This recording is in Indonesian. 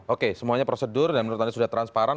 oke semuanya prosedur dan menurut anda sudah transparan